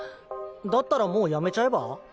だったらもうやめちゃえば？